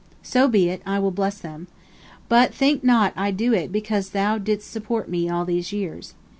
So be it, I will bless them. But think not I do it because thou didst support me all these years.